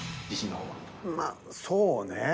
まあそうねぇ。